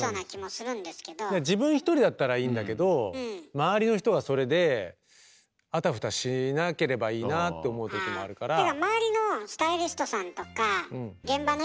自分１人だったらいいんだけど周りの人がそれであたふたしなければいいなあって思う時もあるから。